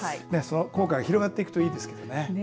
効果が広がっていくといいですけどね。